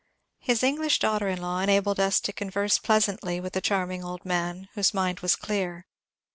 His English daughter in law enabled us to converse pleasantly with the charming old man, whose mind was clear.